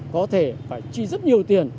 có thể phải chi rất nhiều tiền